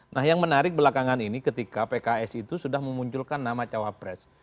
nah yang menarik belakangan ini ketika pks itu sudah memunculkan nama cawapres